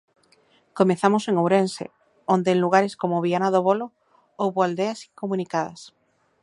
Comezamos en Ourense, onde en lugares como Viana do Bolo houbo aldeas incomunicadas.